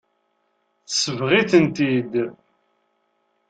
Tesbeɣ-itent-id.